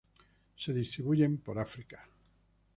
Se distribuyen por África.